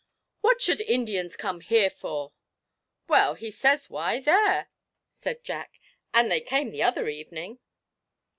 'What should Indians come here for?' 'Well, he says why, there,' said Jack, 'and they came the other evening.'